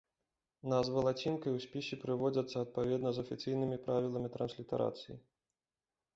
Назвы лацінкай у спісе прыводзяцца адпаведна з афіцыйнымі правіламі транслітарацыі.